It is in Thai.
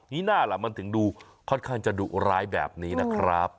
นี่น่าล่ะมันถึงดูค่อนข้างจะดุร้ายแบบนี้นะครับ